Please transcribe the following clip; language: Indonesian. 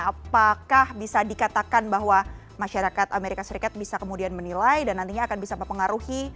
apakah bisa dikatakan bahwa masyarakat amerika serikat bisa kemudian menilai dan nantinya akan bisa mempengaruhi